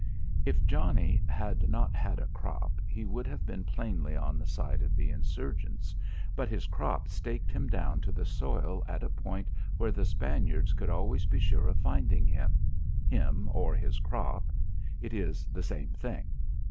If Johnnie had not had a crop, he would have been plainly on the side of the insurgents, but his crop staked him down to the soil at a point where the Spaniards could always be sure of finding him him or his crop it is the same thing.